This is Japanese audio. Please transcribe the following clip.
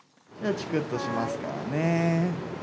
ちくっとしますからね。